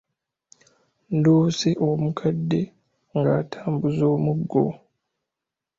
Ndoose omukadde nga atambuza omuggo.